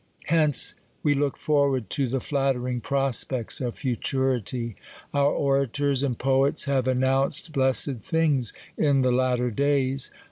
Hence we look forward to the flattering prospects of futurity. Our orators and poets have announced bless ed things in the latter days.